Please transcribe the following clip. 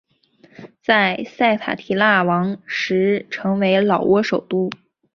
在塞塔提腊王时成为老挝首都。